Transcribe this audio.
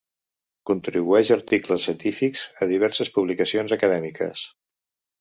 Contribueix articles científics a diverses publicacions acadèmiques.